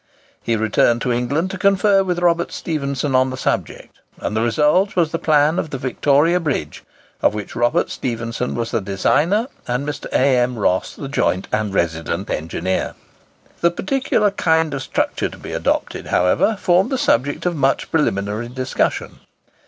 He returned to England to confer with Robert Stephenson on the subject, and the result was the plan of the Victoria Bridge, of which Robert Stephenson was the designer, and Mr. A. M. Ross the joint and resident engineer. The particular kind of structure to be adopted, however, formed the subject of much preliminary discussion.